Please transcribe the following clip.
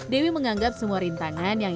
baik untuk pekerjaan